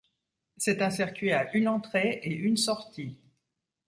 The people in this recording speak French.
C'est un circuit à une entrée et une sortie.